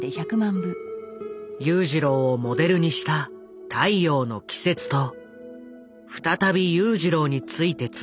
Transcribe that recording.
裕次郎をモデルにした「太陽の季節」と再び裕次郎についてつづった「弟」。